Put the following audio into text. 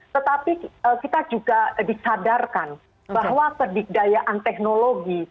tetapi kita juga disadarkan bahwa kedikdayaan teknologi